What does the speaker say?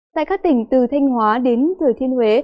tại các tỉnh từ thanh hóa đến thừa thiên huế